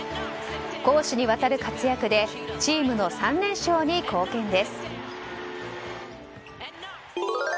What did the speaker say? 攻守にわたる活躍でチームの３連勝に貢献です。